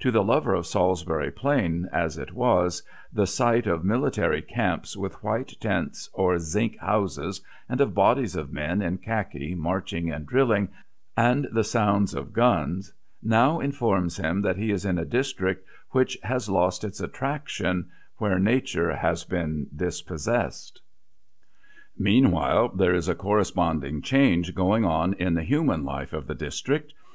To the lover of Salisbury Plain as it was, the sight of military camps, with white tents or zinc houses, and of bodies of men in khaki marching and drilling, and the sound of guns, now informs him that he is in a district which has lost its attraction, where nature has been dispossessed. Meanwhile, there is a corresponding change going on in the human life of the district.